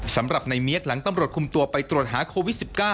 สำหรับในเมียดหลังตำรวจคุมตัวไปตรวจหาโควิด๑๙